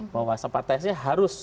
bahwa separtai saya harus